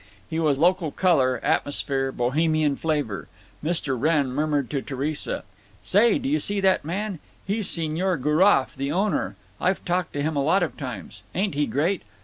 He was local color, atmosphere, Bohemian flavor. Mr. Wrenn murmured to Theresa: "Say, do you see that man? He's Signor Gouroff, the owner. I've talked to him a lot of times. Ain't he great!